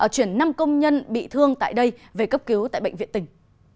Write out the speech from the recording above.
chuyển năm công nhân bị thương tại đây về cấp cứu tại bệnh viện tỉnh